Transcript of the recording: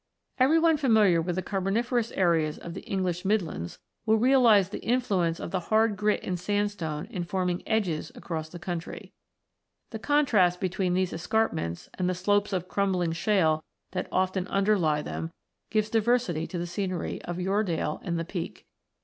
Everyone familiar with the Carboniferous areas of the English midlands will realise the influence of hard grit and sandstone in forming "edges" across the country. The contrast between these escarpments and the slopes of crumbling shale that often underlie them gives diversity to the scenery of Yoredale and the Peak.